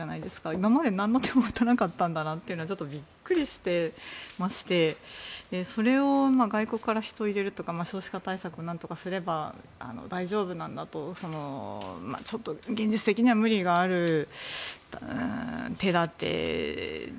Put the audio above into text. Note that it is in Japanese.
今まで何の手も打たなかったんだなというのはちょっとびっくりしてましてそれを外国から人を入れるとか少子化対策をなんとかすれば大丈夫なんだとちょっと現実的には無理がある手立てで